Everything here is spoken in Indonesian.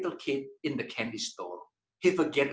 dia lupa tentang semua orang lain